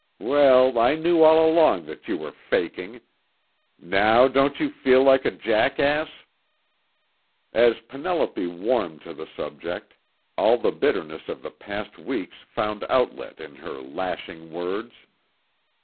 Well, I knew all along that you were faking. Now don't you feel like a jackass?" As Penelope warmed to the subject, all the bitterness of the past weeks found outlet in her lashing words.